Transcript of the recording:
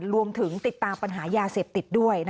รวมถึงติดตามปัญหายาเสพติดด้วย